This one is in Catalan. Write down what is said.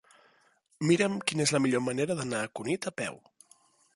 Mira'm quina és la millor manera d'anar a Cunit a peu.